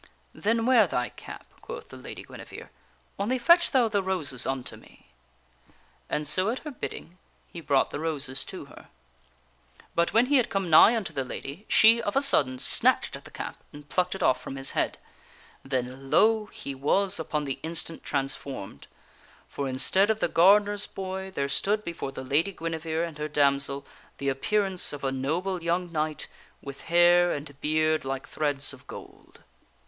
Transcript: "Then wear thy cap," quoth the Lady Guinevere. " Only fetch thou the roses unto me." And so at her bidding, he brought the roses to her. But when he had come nigh unto the lady, she, of a sudden, snatched at the cap and plucked it off from his head. Then, lo! he was upon the TheLad?fGui . instant transformed; for instead of the gardener's boy there nevere discovers stood before the Lady Guinevere and her damsel the appear ^f^taiL ance of a noble young knight with hair and beard like threads of gold.